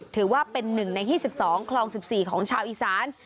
ถือว่าเป็น๑ใน๒๒คลอง๑๔ของชาวอีสาน